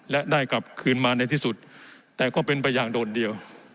และได้กลับคืนมาในที่สุดแต่ก็เป็นไปอย่างโดดเดียว